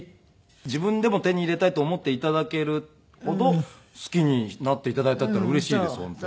自分でも手に入れたいと思って頂けるほど好きになって頂いたっていうのはうれしいです本当に。